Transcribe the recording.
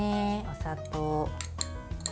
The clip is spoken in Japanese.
お砂糖。